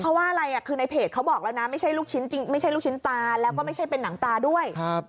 เพราะว่าอะไรอ่ะคือในเพจเขาบอกแล้วนะไม่ใช่ลูกชิ้นตาแล้วก็ไม่ใช่เป็นหนังตาด้วย